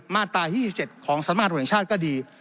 มาตราที่๒๗ของสมาธิประหลังชาติก็ดี